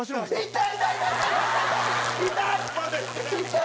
痛い。